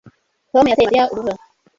Tom yateye Mariya urubura